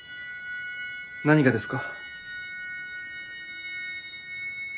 何がですか？